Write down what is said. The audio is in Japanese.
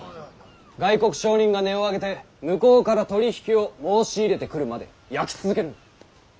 外国商人が音をあげて向こうから取り引きを申し入れてくるまで焼き続けるんだ。